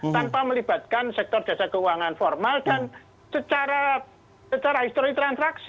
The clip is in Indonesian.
tanpa melibatkan sektor jasa keuangan formal dan secara histori transaksi